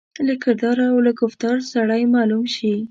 له کردار او له ګفتار سړای معلوم شي.